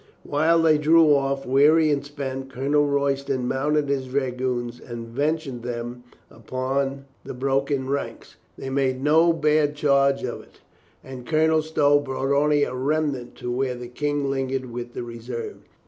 While they drew off, weary and spent, Colonel Roy ston mounted his dragoons and ventured them upon 326 COLONEL GREATHEART the broken ranks. They made no bad charge of it, and Colonel Stow brought only a remnant to where the King lingered with the reserve.